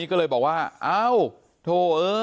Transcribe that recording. โอ้โห